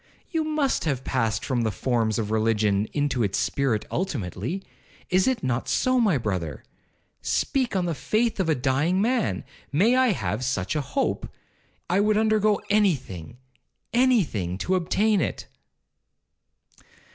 You must have passed from the forms of religion into its spirit ultimately?—is it not so, my brother? Speak on the faith of a dying man. May I have such a hope! I would undergo any thing—any thing, to obtain it.'